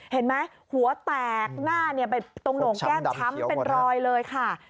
เห็นไหมหัวแตกหน้าไปตรงโหน่งแก้มช้ำเป็นรอยเลยค่ะ